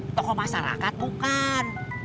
toko masyarakat bukan